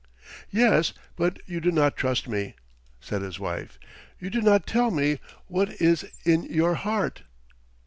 "Yes, but you do not trust me," said his wife. "You do not tell me what is in your heart."